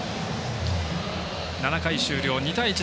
７回終了、２対１。